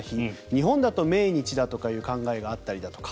日本だと命日だとかいう考え方があったりだとか